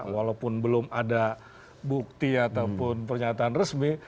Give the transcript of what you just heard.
walaupun belum ada bukti ataupun pernyataan resmi